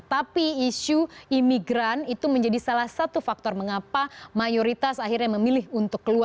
tapi isu imigran itu menjadi salah satu faktor mengapa mayoritas akhirnya memilih untuk keluar